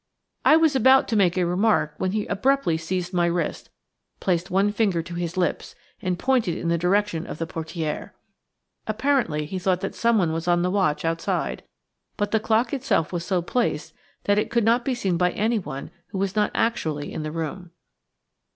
I was about to make a remark when he abruptly seized my wrist, placed one finger to his lips, and pointed in the direction of the portière. Apparently he thought that someone was on the watch outside, but the clock itself was so placed that it could not be seen by anyone who was not actually in the room.